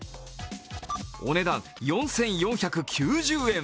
お値段４４９０円。